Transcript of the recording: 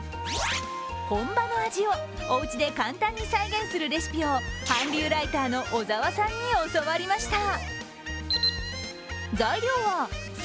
本場の味をおうちで簡単に再現するレシピを韓流ライターの小澤さんに教わりました。